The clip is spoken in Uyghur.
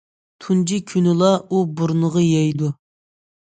تۇنجى كۈنىلا ئۇ بۇرنىغا يەيدۇ.